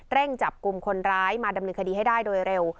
จับกลุ่มคนร้ายมาดำเนินคดีให้ได้โดยเร็ว